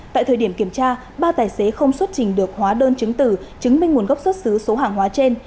tại thời điểm kiểm tra ba tài xế không xuất trình được hóa đơn chứng tử chứng minh nguồn gốc xuất xứ số hàng hóa trên